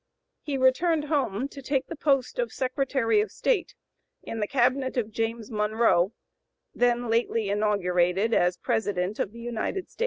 He returned home to take the post of Secretary of State in the cabinet of James Monroe, then lately inaugurated as President of the United States.